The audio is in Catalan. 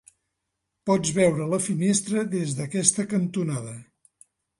Pots veure la finestra des d'aquesta cantonada.